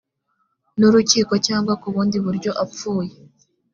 n urukiko cyangwa ku bundi buryo apfuye